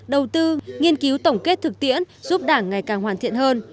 đầu tư nghiên cứu tổng kết thực tiễn giúp đảng ngày càng hoàn thiện hơn